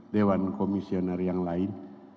dewan komisioner yang lain